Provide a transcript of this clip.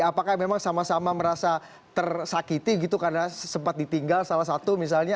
apakah memang sama sama merasa tersakiti gitu karena sempat ditinggal salah satu misalnya